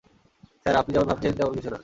Sir, আপনি যেমন ভাবছেন তেমন কিছুই না।